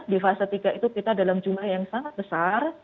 di fase tiga itu kita dalam jumlah yang sangat besar